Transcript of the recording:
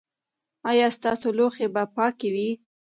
ایا ستاسو لوښي به پاک وي؟